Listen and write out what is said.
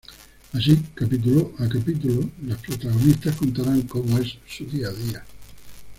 Así, capítulo a capítulo, las protagonistas contarán cómo es su día a día.